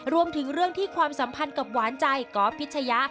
รวมถึงเรื่องที่ความสัมพันธ์กับหวานใจก๊อฟพิชยะ